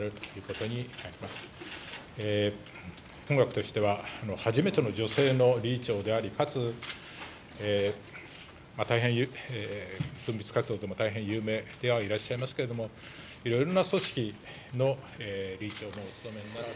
本学としては初めての女性の理事長でありかつ大変文筆活動でも大変有名でいらっしゃいますけれどもいろいろな組織の理事長を。